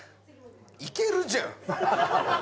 いけるじゃん！